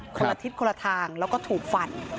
คนละทิศคนละทางแล้วก็ถูกฟัน